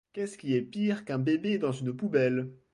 Qu'est-ce qui est pire qu'un bébé dans une poubelle ?